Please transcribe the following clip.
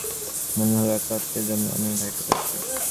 মনে হল এক রাত্তিরের জন্যে আমি ভাইকে পেয়েছি।